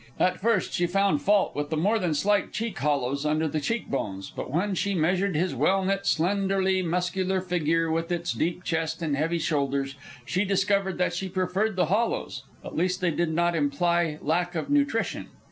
At first she found fault with the more than slight cheek hollows under the cheek bones, but when she measured his well knit, slenderly muscular figure, with its deep chest and heavy shoulders, she discovered that she preferred the hollows; at least they did not imply lack of nutrition.